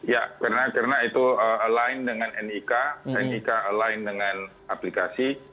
ya karena itu align dengan nik nik aline dengan aplikasi